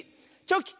「チョキ」。